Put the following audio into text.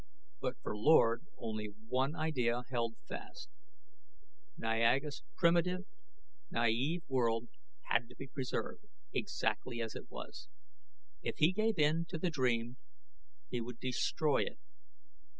But for Lord only one idea held fast. Niaga's primitive, naive world had to be preserved exactly as it was. If he gave in to the dream, he would destroy it.